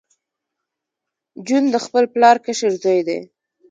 جون د خپل پلار کشر زوی و